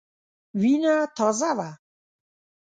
وینه تازه وه.